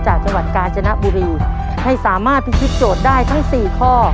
จังหวัดกาญจนบุรีให้สามารถพิธีโจทย์ได้ทั้งสี่ข้อ